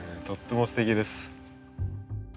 とってもすてきです。